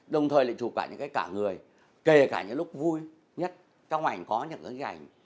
đồng thời lại chụp cả những cái cả người kể cả những lúc vui nhất trong ảnh có những cái ảnh